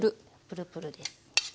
プルプルです。